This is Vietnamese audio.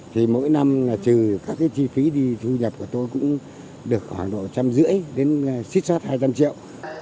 thì mỗi năm là trừ các cái chi phí đi thu nhập của tôi cũng được khoảng độ trăm rưỡi đến xích xót hai trăm linh triệu